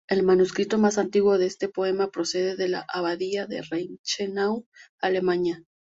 El manuscrito más antiguo de este poema procede de la Abadía de Reichenau, Alemania.